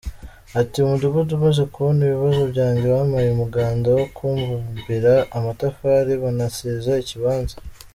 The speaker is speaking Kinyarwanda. Ati“Umudugudu umaze kubona ibibazo byanjye wampaye umuganda wo kumbumbira amatafari banasiza ikibanza.